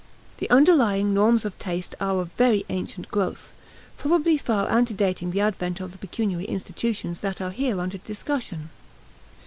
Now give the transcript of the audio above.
The underlying norms of taste are of very ancient growth, probably far antedating the advent of the pecuniary institutions that are here under discussion.